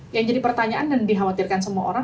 yang jadi pertanyaan dan dikhawatirkan semua orang